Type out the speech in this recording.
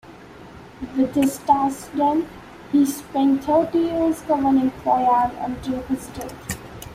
With his task done, he spent thirty years governing Poyang until his death.